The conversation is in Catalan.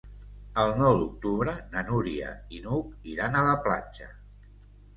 El nou d'octubre na Núria i n'Hug iran a la platja.